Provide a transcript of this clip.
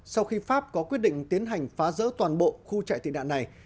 sau khi pháp có quyết định tiến hành phá rỡ toàn bộ khu chạy tị đạn này